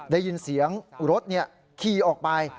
ได้ยินเสียงรถขี่ออกไป